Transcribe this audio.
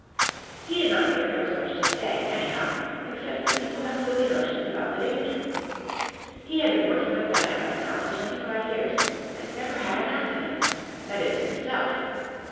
He did not think there was much to say, anyhow, except that people have silly notions about the danger. He had been working with dynamite now for twenty five years, and never had an accident that is, himself.